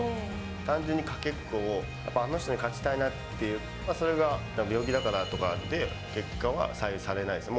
単純にかけっこをあの人に勝ちたいなっていう、それが、病気だからとかで、結果は左右されないです。